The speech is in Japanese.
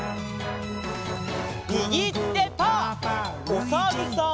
おさるさん。